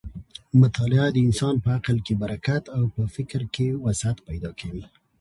مطالعه د انسان په عقل کې برکت او په فکر کې وسعت پیدا کوي.